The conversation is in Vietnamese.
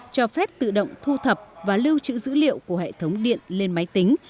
cho phép tự động thu thập và lưu trữ dữ liệu của hệ thống điện lên máy tính